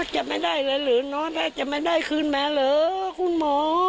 จะไม่ได้เลยหรือนอนได้จะไม่ได้คืนมาเหรอคุณหมอ